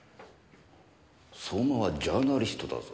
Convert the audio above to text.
相馬はジャーナリストだぞ。